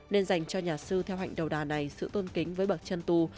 nên dành cho nhà sư theo hạnh đầu đà này sự tôn kính với bậc chân tu